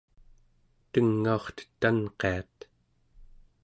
tengaurtet tanqiat